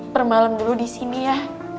permalam dulu disini ya